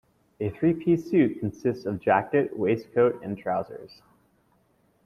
A three-piece suit consists of jacket, waistcoat and trousers